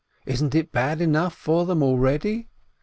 Isn't it bad enough for them already?